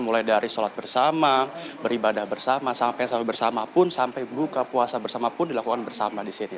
mulai dari sholat bersama beribadah bersama sampai bersama pun sampai buka puasa bersama pun dilakukan bersama di sini